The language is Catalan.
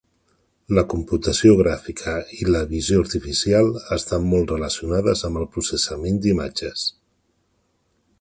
La computació gràfica i la visió artificial estan molt relacionades amb el processament d'imatges.